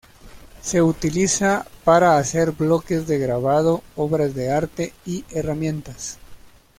Se utiliza para hacer bloques de grabado, obras de arte, y herramientas.